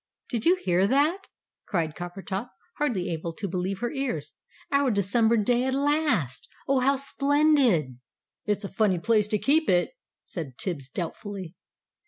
"Did you hear that?" cried Coppertop, hardly able to believe her ears. "Our December day at last! Oh, how splendid!" "It's a funny place to keep it," said Tibbs doubtfully.